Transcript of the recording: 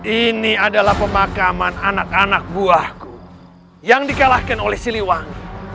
ini adalah pemakaman anak anak buahku yang dikalahkan oleh siliwangi